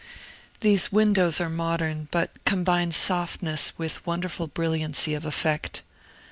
These windows are modern, but combine softness with wonderful brilliancy of effect.